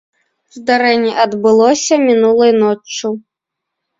Здарэнне адбылося мінулай ноччу.